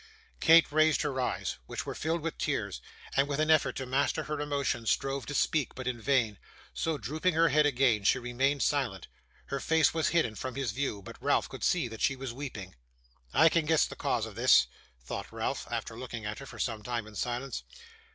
Kate raised her eyes, which were filled with tears; and with an effort to master her emotion strove to speak, but in vain. So drooping her head again, she remained silent. Her face was hidden from his view, but Ralph could see that she was weeping. 'I can guess the cause of this!' thought Ralph, after looking at her for some time in silence.